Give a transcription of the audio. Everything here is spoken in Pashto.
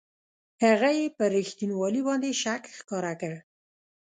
هغه یې پر رښتینوالي باندې شک ښکاره کړ.